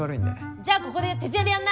じゃあここで徹夜でやんな！